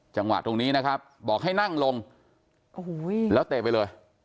จังหวะตรงนี้นะครับบอกให้นั่งลงโอ้โหแล้วเตะไปเลย